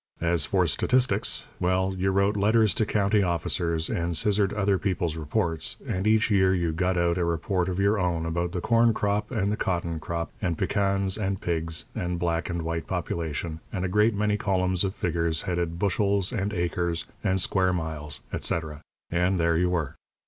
As for statistics well, you wrote letters to county officers, and scissored other people's reports, and each year you got out a report of your own about the corn crop and the cotton crop and pecans and pigs and black and white population, and a great many columns of figures headed "bushels" and "acres" and "square miles," etc. and there you were.